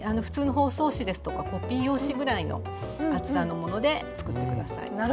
普通の包装紙ですとかコピー用紙ぐらいの厚さのもので作って下さい。